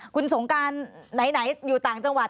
คุณสงการไหนอยู่ต่างจังหวัด